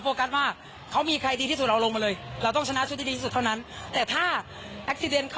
ต่อคลาดมาเขามีไกลสุดตัวลงมาเลยจะต้องชนะที่สุดนี้เท่านั้นแต่ถ้าอักที่นี้เขาเกิด